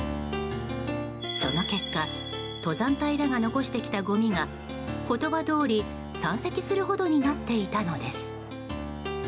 その結果登山隊らが残してきたごみが言葉どおり、山積するほどになっていたのです。